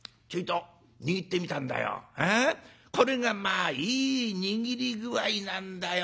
これがまあいい握り具合なんだよ。